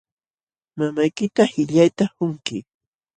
Mamaykita qillayta qunki.